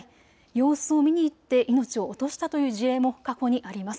様子を見に行って命を落としたという事例も過去にあります。